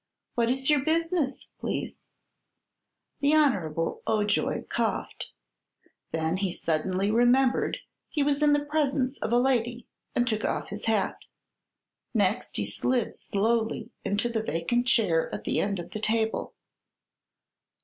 "What is your business, please?" The Hon. Ojoy coughed. Then he suddenly remembered he was in the presence of a lady and took off his hat. Next he slid slowly into the vacant chair at the end of the table.